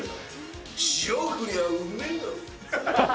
塩振りゃ、うめぇだろ？